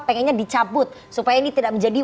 pengennya dicabut supaya ini tidak menjadi